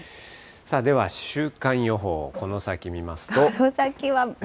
では週間予報、この先見ますと。